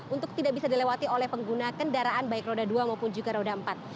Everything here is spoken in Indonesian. untuk tidak bisa dilewati oleh pengguna kendaraan baik roda dua maupun juga roda empat